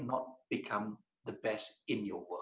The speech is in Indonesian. anda tidak bisa menjadi yang terbaik di dunia anda